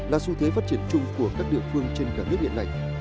là xu thế phát triển chung của các địa phương trên cả nước hiện nay